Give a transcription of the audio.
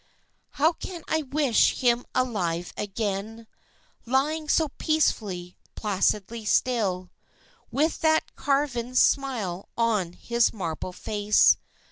How can I wish him alive again, Lying so peacefully, placidly still, With that carven smile on his marble face.